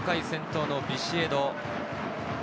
この回、先頭のビシエド。